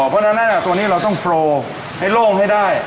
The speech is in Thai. เพราะฉะนั้นตัวนี้เราต้องโฟลให้โล่งให้ได้